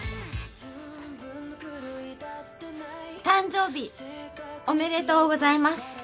誕生日おめでとうございます。